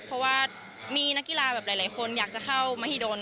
เพราะว่ามีนักกีฬาแบบหลายคนอยากจะเข้ามหิดล